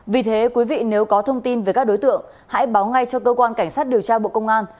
vì thế quý vị nếu có thông tin về các đối tượng hãy báo ngay cho cơ quan cảnh sát điều tra bộ công an